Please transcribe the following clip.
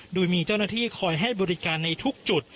โดยมีเจ้าหน้าที่คอยให้บริการในทุกจุด